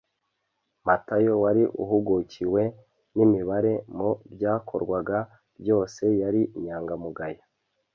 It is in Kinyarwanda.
matayo wari uhugukiwe n’imibare mu byakorwaga byose yari inyangamugayo